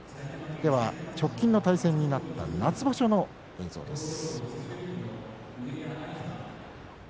直近の対戦になった夏場所の映像です。